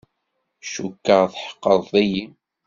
Cukkeɣ tḥeqqreḍ-iyi.